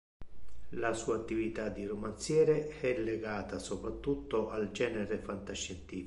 La sua attività di romanziere è legata soprattutto al genere fantascientifico.